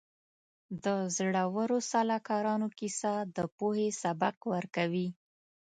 د زړورو سلاکارانو کیسه د پوهې سبق ورکوي.